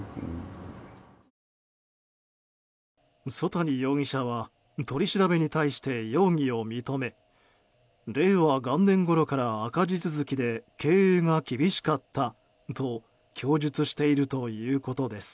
曽谷容疑者は取り調べに対して容疑を認め令和元年ごろから赤字続きで経営が厳しかったと供述しているということです。